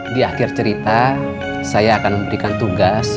di akhir cerita saya akan memberikan tugas